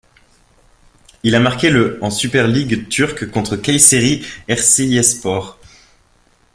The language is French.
Il a marqué le en super ligue turque contre Kayseri Erciyesspor.